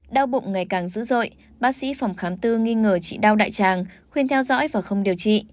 đau bụng ngày càng dữ dội bác sĩ phòng khám tư nghi ngờ chị đau đại tràng khuyên theo dõi và không điều trị